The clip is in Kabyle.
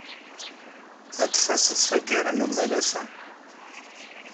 Ad d-taseḍ taggara n umalas-a?